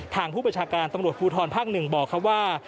ทางผู้ประชาการตำรวจภูทรภักษ์หนึ่งบอกว่า